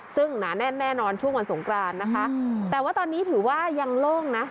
ซึ่งหนาแน่นแน่นอนช่วงวันสงกรานนะคะแต่ว่าตอนนี้ถือว่ายังโล่งนะ